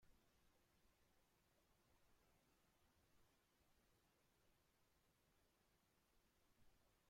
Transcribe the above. Actualmente es Jefe de la Oficina del Jefe de Gobierno.